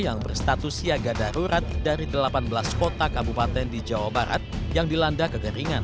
yang berstatus siaga darurat dari delapan belas kota kabupaten di jawa barat yang dilanda kekeringan